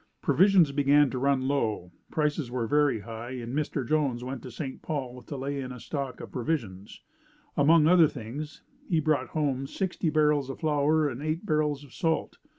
Provisions began to run low. The prices were very high and Mr. Jones went to St. Paul to lay in a stock of provisions. Among other things he brought home sixty barrels of flour and eight barrels of salt.